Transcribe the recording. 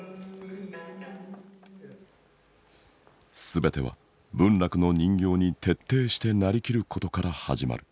全ては文楽の人形に徹底して成りきることから始まる。